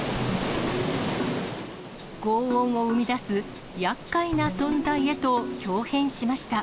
ごう音を生み出すやっかいな存在へとひょう変しました。